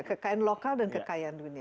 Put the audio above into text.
kekayaan lokal dan kekayaan dunia